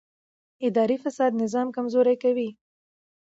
اداري فساد نظام کمزوری کوي